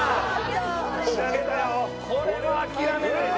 これは諦めるよね。